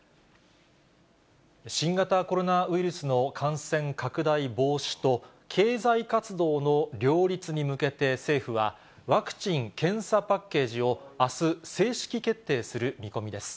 新型コロナウイルスの感染拡大防止と、経済活動の両立に向けて、政府はワクチン・検査パッケージをあす、正式決定する見込みです。